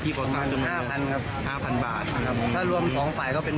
พี่ประวัติศาสตร์ถึง๕๐๐๐ครับ๕๐๐๐บาทครับถ้ารวมท้องไฟก็เป็นหมื่น